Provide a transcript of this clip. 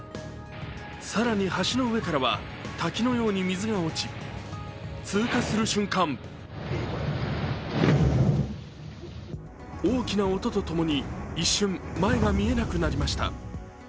更に橋の上からは滝のように水が落ち、通過する瞬間大きな音とともに一瞬、前が見えなくなりました。